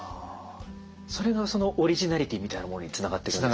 それがそのオリジナリティーみたいなものにつながっていくんですか？